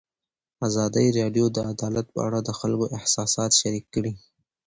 ازادي راډیو د عدالت په اړه د خلکو احساسات شریک کړي.